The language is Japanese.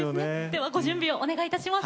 ではご準備をお願いいたします。